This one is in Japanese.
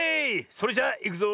それじゃいくぞ。